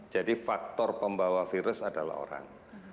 jadi faktor pembawa virus adalah orang